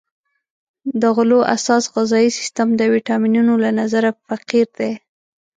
د غلو اساس غذایي سیستم د ویټامینونو له نظره فقیر دی.